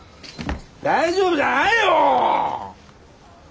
大丈夫じゃないよ！